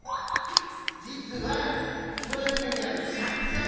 じつはこのゆびにあるたっくさん